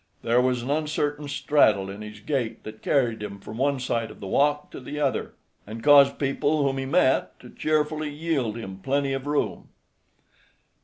There was an uncertain straddle in his gait that carried him from one side of the walk to the other, and caused people whom he met to cheerfully yield him plenty of room.